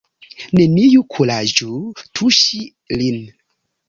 Neniu kuraĝu tuŝi lin!